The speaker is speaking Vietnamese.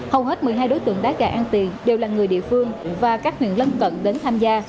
hầu hết một mươi hai đối tượng đá gà ăn tiền đều là người địa phương và các huyện lân cận đến tham gia